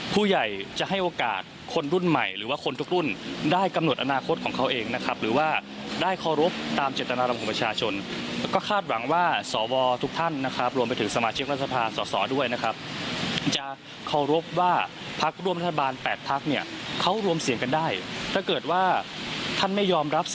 นู่นนี่นั่นอ้างความชอบทำอ้างกฎหมายอะไรอย่างนี้นะครับ